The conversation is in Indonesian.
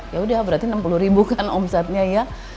ya udah berarti enam puluh ribu kan omsetnya ya